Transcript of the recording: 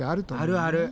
あるある。